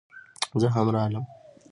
زه هم راغلم